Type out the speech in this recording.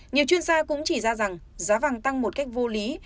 nhiều chuyên gia cũng chỉ ra rằng giá vàng tăng một cách vô lý